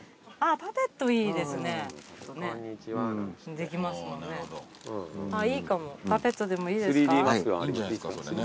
パペットでいいですか？